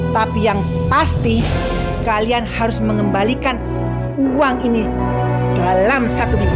tapi yang pasti kalian harus mengembalikan uang ini dalam satu minggu